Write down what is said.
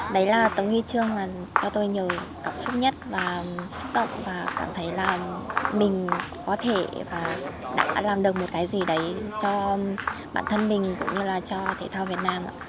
đấy là tấm huy chương mà cho tôi nhiều cảm xúc nhất và xúc động và cảm thấy là mình có thể và đã làm được một cái gì đấy cho bản thân mình cũng như là cho thể thao việt nam ạ